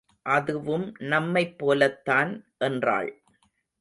அதுவும் நம்மைப்போலத்தான் என்றாள்.